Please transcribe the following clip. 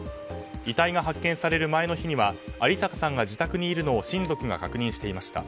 遺体が発見される前の日には有坂さんが自宅にいるのを親族が確認していました。